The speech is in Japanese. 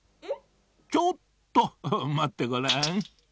ちょっとまってごらん。